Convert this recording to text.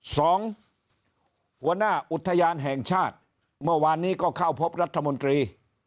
หัวหน้าอุทยานแห่งชาติเมื่อวานนี้ก็เข้าพบรัฐมนตรี